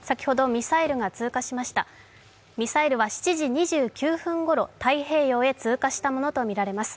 ミサイルは７時２９分ごろ、太平洋へ通過したものとみられます。